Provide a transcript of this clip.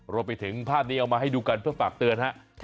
รวมไปถึงภาพนี้เอามาให้ดูกันเพื่อฝากเตือนครับ